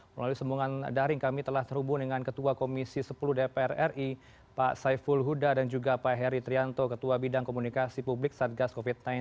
melalui sembungan daring kami telah terhubung dengan ketua komisi sepuluh dpr ri pak saiful huda dan juga pak heri trianto ketua bidang komunikasi publik satgas covid sembilan belas